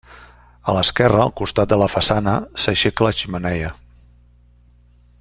A l'esquerra, al costat de la façana, s'aixeca la xemeneia.